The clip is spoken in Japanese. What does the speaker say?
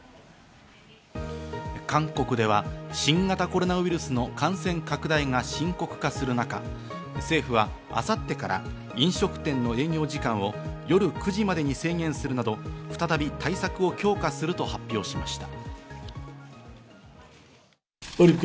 韓国では新型コロナウイルスの感染拡大が深刻化する中、政府は明後日から飲食店の営業時間を夜９時までに制限するなど再び対策を強化すると発表しました。